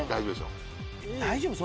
大丈夫？